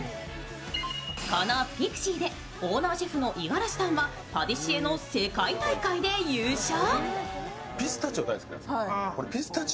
このピクシーでオーナーシェフの五十嵐さんはパティシエの世界大会で優勝。